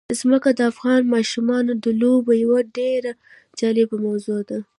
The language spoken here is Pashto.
ځمکه د افغان ماشومانو د لوبو یوه ډېره جالبه موضوع ده.